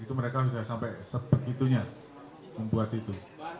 itu mereka sudah sampai sebegitunya membuat itu